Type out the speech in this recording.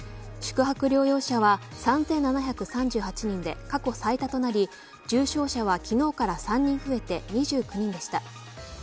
宿泊療養者は３７３８人で過去最多となり重症者は、昨日から３人増えて２９人でした。